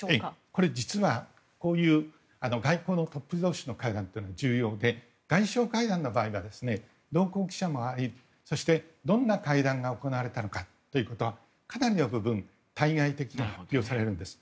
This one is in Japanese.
これ、実は外交のトップ同士の会談というのは重要で、外相会談の場合は同行記者もありそしてどんな会談が行われたのかはかなりの部分対外的に発表されるんです。